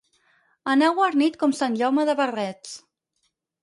Anar guarnit com sant Jaume de Barrets.